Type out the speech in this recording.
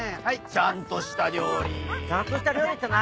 ちゃんとした料理って何？